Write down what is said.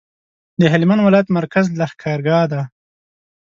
د هلمند ولایت مرکز لښکرګاه ده